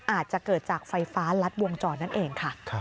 อาจจะเกิดจากไฟฟ้ารัดวงจรนั่นเองค่ะ